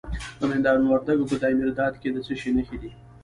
د میدان وردګو په دایمیرداد کې د څه شي نښې دي؟